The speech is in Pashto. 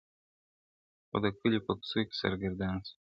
خو د کلیو په کوڅو کي سرګردان سو -